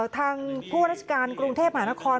ทางผู้ว่าราชการกรุงเทพมหานคร